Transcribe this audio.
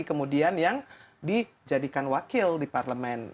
kemudian yang dijadikan wakil di parlemen